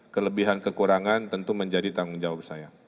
kelebihan kekurangan tentu menjadi tanggung jawab saya